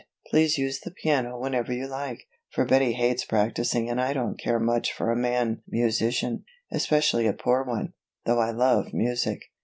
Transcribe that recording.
Please use the piano whenever you like, for Betty hates practicing and I don't care much for a man musician, especially a poor one, though I love music."